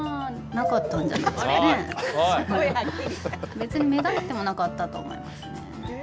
別に目立ってもなかったと思いますねえ。